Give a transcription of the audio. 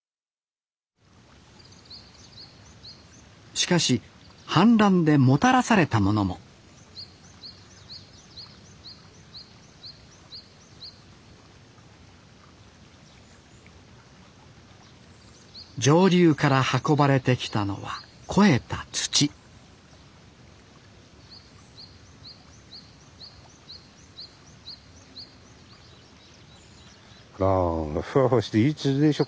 しかし氾濫でもたらされたものも上流から運ばれてきたのは肥えた土ほらふわふわしていい土でしょ